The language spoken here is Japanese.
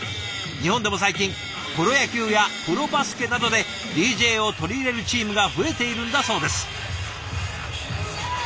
日本でも最近プロ野球やプロバスケなどでＤＪを取り入れるチームが増えているんだそうです。